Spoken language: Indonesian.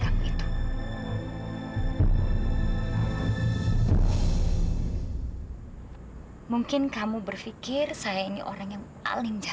sampai jumpa di video selanjutnya